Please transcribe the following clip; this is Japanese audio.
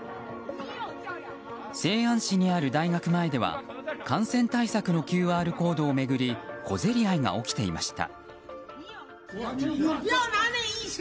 西安市にある大学前では感染対策のＱＲコードを巡り小競り合いが起きていました。